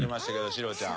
シロちゃん。